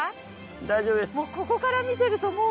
大丈夫です。